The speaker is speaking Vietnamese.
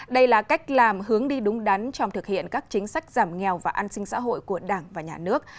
đây là cách làm hướng đi đúng đắn trong thực hiện các chính sách giảm nghèo và an sinh xã hội của đảng và nhà nước